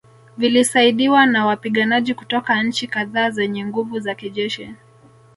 Vilisaidiwa na wapiganaji kutoka nchi kadhaa zenye nguvu za kijeshi